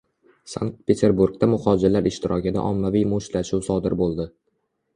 Sankt-Peterburgda muhojirlar ishtirokida ommaviy mushtlashuv sodir bo‘ldi